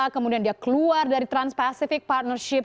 kemudian dia keluar dari trans pacific partnership